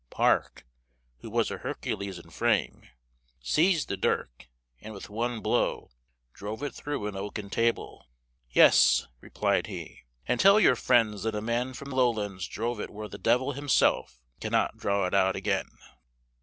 Park, who was a Hercules in frame, seized the dirk, and, with one blow, drove it through an oaken table: "Yes," replied he, "and tell your friends that a man from the Lowlands drove it where the devil himself cannot draw it out again."